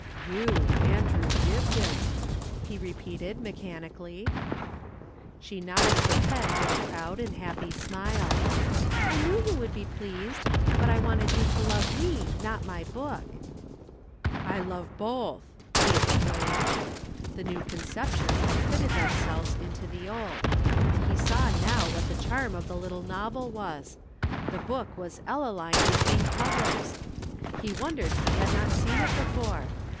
"You, Andrew Dibdin!" he repeated mechanically. She nodded her head with a proud and happy smile. "I knew you would be pleased but I wanted you to love me, not my book." "I love both," he exclaimed. The new conceptions had fitted themselves into the old. He saw now what the charm of the little novel was the book was Ellaline between covers. He wondered he had not seen it before.